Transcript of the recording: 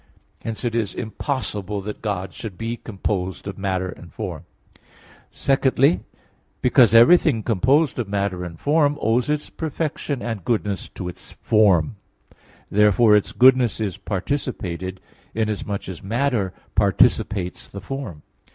Hence it is impossible that God should be composed of matter and form. Secondly, because everything composed of matter and form owes its perfection and goodness to its form; therefore its goodness is participated, inasmuch as matter participates the form.